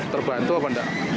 terbantu apa enggak